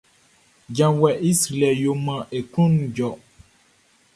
Djavuɛ kun i srilɛʼn yo maan e klun jɔ.